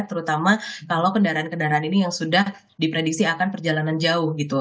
terutama kalau kendaraan kendaraan ini yang sudah diprediksi akan perjalanan jauh gitu